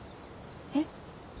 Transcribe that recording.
えっ？